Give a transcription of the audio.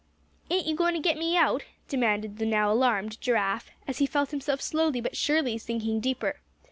"Ain't you goin' to get me out?" demanded the now alarmed Giraffe, as he felt himself slowly but surely sinking deeper.